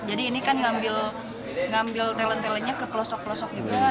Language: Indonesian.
jadi ini kan ngambil talent talentnya ke pelosok pelosok juga